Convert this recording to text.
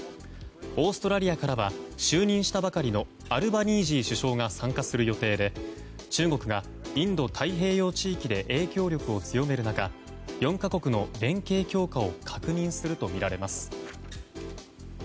オーストラリアからは就任したばかりのアルバニージー首相が参加する予定で中国がインド太平洋地域で影響力を強める中４か国の連携強化を確認するとみられます。